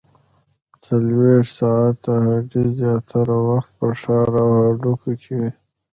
څلورویشت ساعته هټۍ زیاتره وخت په ښار او هډو کې وي